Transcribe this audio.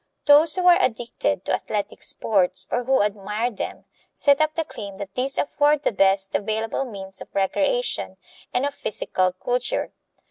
Those who are addicted to athletic sports, or who admire them, set up the claim that these afford the best available means of recreation and of "physical culture."